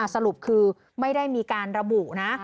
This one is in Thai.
สรุปคือไม่ได้มีการระบุนะ